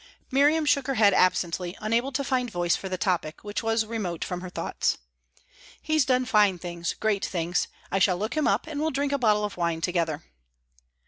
Miriam shook her head absently, unable to find voice for the topic, which was remote from her thoughts. "He's done fine things, great things. I shall look him up, and we'll drink a bottle of wine together."